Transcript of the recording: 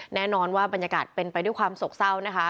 แน่นอนว่าบรรยากาศเป็นไปด้วยความโศกเศร้านะคะ